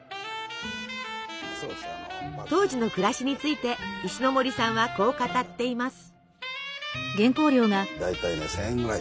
当時の暮らしについて石森さんはこう語っています。